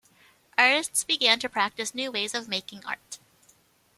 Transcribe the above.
Artists began to practice new ways of making art.